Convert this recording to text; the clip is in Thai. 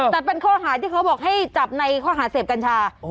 แต่เป็นข้อหาที่เขาบอกให้จับในข้อหาเสพกัญชา